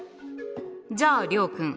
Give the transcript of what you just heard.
じゃあ諒君。